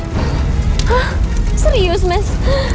hah serius mas